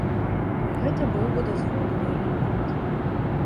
Гэта быў бы дазволены элемент.